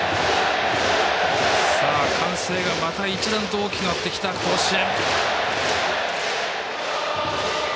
歓声がまた一段と大きくなってきた甲子園。